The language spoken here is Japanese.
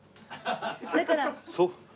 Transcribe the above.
だから。